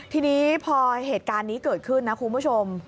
ทีนี้พอเหตุการณ์นี้เกิดขึ้นนะคุณผู้ชม